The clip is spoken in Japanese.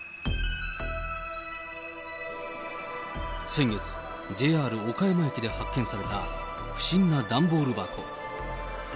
先月、ＪＲ岡山駅で発見された不審な段ボール箱。